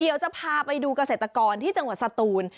เดี๋ยวจะพาไปดูเกษตรกรที่จังหวัดสตูน